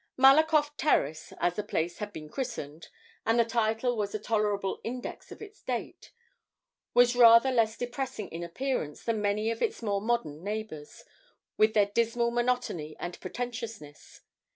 'Malakoff Terrace,' as the place had been christened (and the title was a tolerable index of its date), was rather less depressing in appearance than many of its more modern neighbours, with their dismal monotony and pretentiousness.